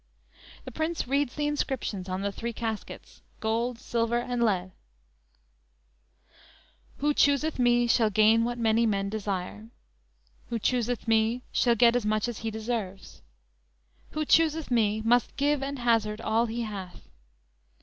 "_ The Prince reads the inscriptions on the three caskets, gold, silver and lead: "Who chooseth me, shall gain what many men desire." "Who chooseth me, shall get as much as he deserves." "Who chooseth me, must give and hazard all he hath."